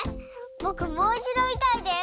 ぼくもういちどみたいです！